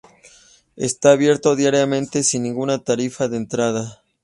Está abierto diariamente, sin ninguna tarifa de entrada.